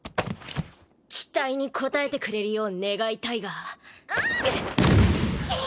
期待に応えてくれるよう願いうわっ！